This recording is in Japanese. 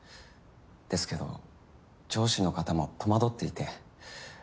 ですけど上司の方も戸惑っていて。